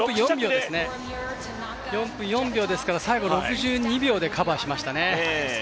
４分４秒ですから、最後６２秒でカバーしましたね。